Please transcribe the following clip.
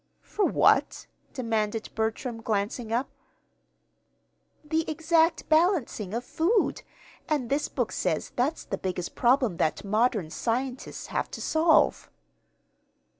"For what?" demanded Bertram, glancing up. "The exact balancing of food; and this book says that's the biggest problem that modern scientists have to solve."